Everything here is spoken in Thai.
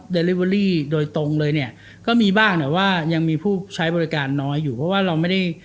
เลลิเวอรี่โดยตรงเลยเนี่ยก็มีบ้างแต่ว่ายังมีผู้ใช้บริการน้อยอยู่เพราะว่าเราไม่ได้